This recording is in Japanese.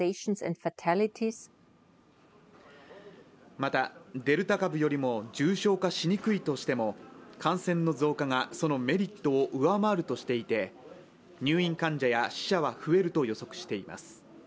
また、デルタ株よりも重症化しにくいとしても感染の増加がそのメリットを上回るとしていて入院患者や死者は増えると予測しています。